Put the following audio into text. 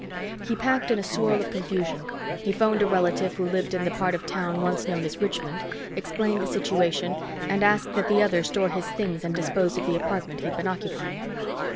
He packed in a swirl of confusion. He phoned a relative who lived in the part of town once known as Richmond, explained the situation and asked that the other store his things and dispose of the apartment he'd been occupying.